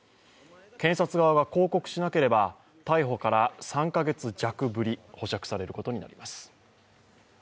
検察側が抗告しなければ逮捕から３か月弱ぶり、保釈されることになります。